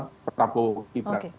seperti yang dilakukan prabowo gibran